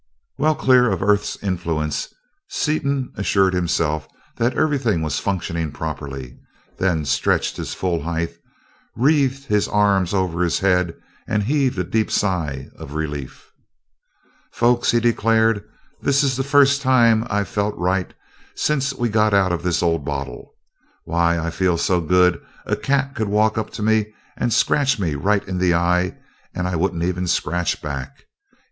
Well clear of the Earth's influence, Seaton assured himself that everything was functioning properly, then stretched to his full height, wreathed his arms over his head, and heaved a deep sigh of relief. "Folks," he declared, "This is the first time I've felt right since we got out of this old bottle. Why, I feel so good a cat could walk up to me and scratch me right in the eye, and I wouldn't even scratch back.